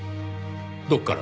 どこから？